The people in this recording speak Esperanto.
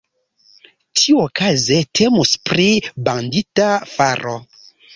Tiuokaze, temus pri bandita faro.